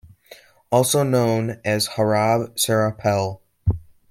Also known as Harab Serapel.